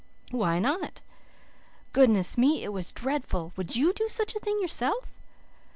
"Why not?" "Goodness me, it was dreadful! Would YOU do such a thing yourself?"